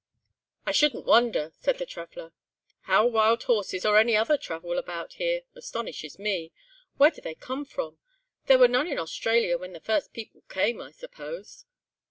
"I shouldn't wonder," said the traveller. "How wild horses or any other travel about here, astonishes me. Where do they come from? There were none in Australia when the first people came, I suppose?"